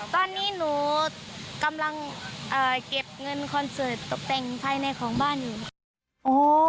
ตอนนี้หนูกำลังเก็บเงินคอนเสิร์ตแต่งภายในของบ้านอยู่ค่ะ